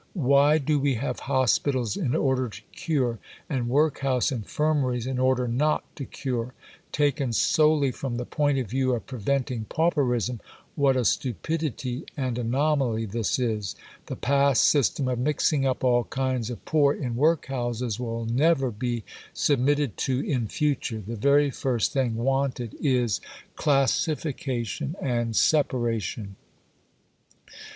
Why do we have Hospitals in order to cure, and Workhouse Infirmaries in order not to cure? Taken solely from the point of view of preventing pauperism, what a stupidity and anomaly this is!... The past system of mixing up all kinds of poor in workhouses will never be submitted to in future. The very first thing wanted is classification and separation.